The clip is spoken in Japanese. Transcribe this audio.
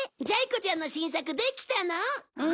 ジャイ子ちゃんの新作できたの？